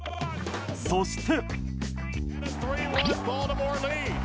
そして。